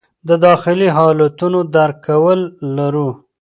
د داخلي حالتونو درک کول لرو.